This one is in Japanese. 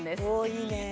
いいね